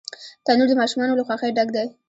تنور د ماشومانو له خوښۍ ډک دی